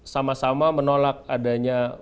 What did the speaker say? sama sama menolak ada